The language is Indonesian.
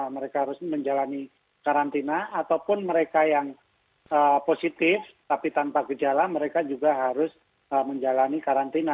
mereka harus menjalani karantina ataupun mereka yang positif tapi tanpa gejala mereka juga harus menjalani karantina